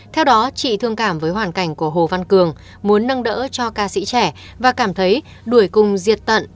theo đó chị thương cảm với hoàn cảnh của hồ văn cường muốn nâng đỡ cho ca sĩ trẻ và cảm thấy đuổi cùng diệt tận